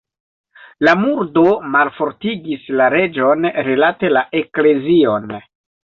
La murdo malfortigis la reĝon rilate la eklezion.